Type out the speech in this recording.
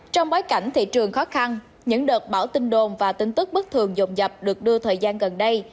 trong bối cảnh thị trường khó khăn những đợt bão tin đồn và tin tức bất thường dồn dập được đưa thời gian gần đây